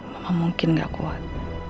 mama mungkin gak kuat